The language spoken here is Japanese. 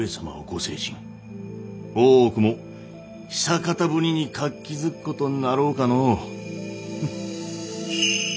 大奥も久方ぶりに活気づくことになろうかの。